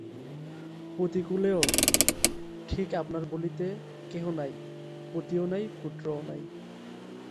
পতিকুলেও ঠিক আপনার বলিতে কেহ নাই, পতিও নাই পুত্রও নাই।